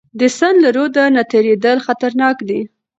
د سند له رود نه تیریدل خطرناک دي.